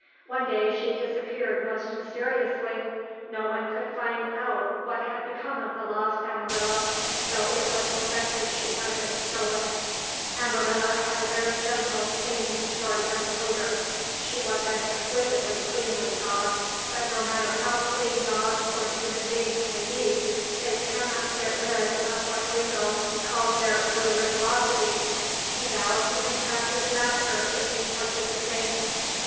One day she disappeared most mysteriously. No one could ever find out what had become of the lost Amarilla, though it was suspected she had been stolen. [Illustration: IN THE HOUSE NEXT TO ME WAS A FINE LITTLE TOY SPANIEL CALLED AMARILLA] Amarilla had a very gentle, clinging sort of an odour. She was an exquisitely clean little dog, but no matter how clean dogs or human beings may be, they cannot get rid of what Gringo calls their odoriferosity. He vows he can track his master if he touches a thing.